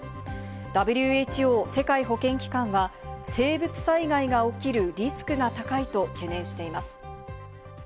ＷＨＯ＝世界保健機関は生物災害が起きるリスクが高いと懸念しています。